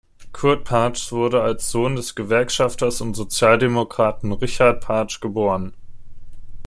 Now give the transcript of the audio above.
Kurt Partzsch wurde als Sohn des Gewerkschafters und Sozialdemokraten Richard Partzsch geboren.